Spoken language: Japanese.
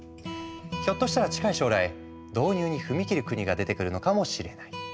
ひょっとしたら近い将来導入に踏み切る国が出てくるのかもしれない。